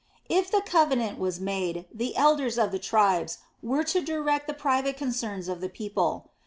If the covenant was made, the elders of the tribes were to direct the private concerns of the people.